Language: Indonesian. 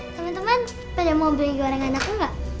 teman teman pada mau beli gorengan aku enggak